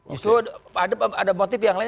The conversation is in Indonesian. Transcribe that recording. justru ada motif yang lain